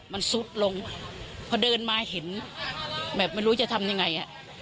มันซุดลงพอเดินมาเห็นแบบไม่รู้จะทำยังไง